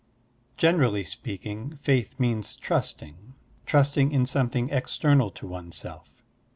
Generally speaking, faith means trusting — trusting in something external to oneself.